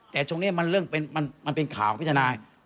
แต่ตรงนี้มันเรื่องมันเป็นข่าวพิจารณา